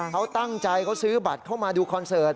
เขาตั้งใจเขาซื้อบัตรเข้ามาดูคอนเสิร์ต